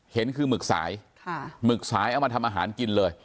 เห็นคือหมึกสายหมึกสายเอามาทำอาหารกินเลย